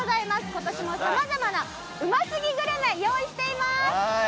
今年も様々なうますぎグルメを用意しています。